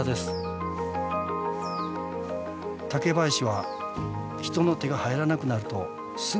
竹林は人の手が入らなくなるとすぐに荒れてしまうんです。